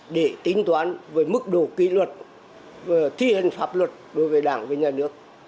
để tính toán với mức độ kỷ luật và thi hành pháp luật đối với đảng và nhà nước